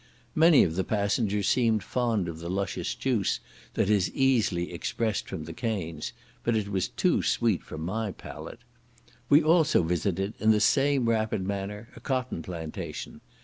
Many of the passengers seemed fond of the luscious juice that is easily expressed from the canes, but it was too sweet for my palate. We also visited, in the same rapid manner, a cotton plantation.